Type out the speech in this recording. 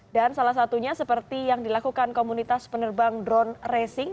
dan salah satunya seperti yang dilakukan komunitas penerbang drone racing